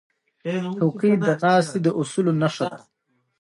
چوکۍ د ناستې د اصولو نښه ده.